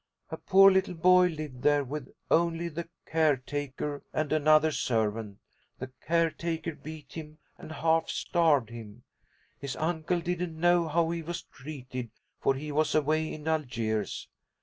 A poor little boy lived there with only the care taker and another servant. The care taker beat him and half starved him. His uncle didn't know how he was treated, for he was away in Algiers.